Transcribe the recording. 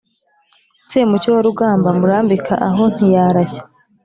semucyo wa rugamba murambika aho ntiyarashya